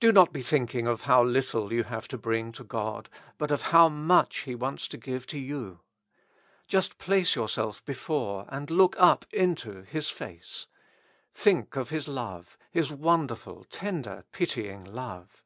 Do not be thinking of how little you have to bring God, but of how much He wants to give you. Just place yourself before, and look up into His face ; think of His love, His wonderful, tender, pitying love.